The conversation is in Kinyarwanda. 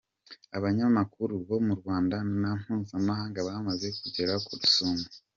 Abanyamakuru bo mu Rwanda na mpuzamahanga bamaze kugera ku Rusumo.